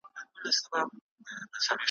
کله کله ځان ترې ورک سي چي غلام دی ,